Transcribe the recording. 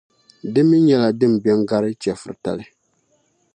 Di mi nyɛla din be n-gari chεfuritali.